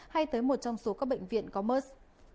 hay tới một trong số các bệnh viện có musk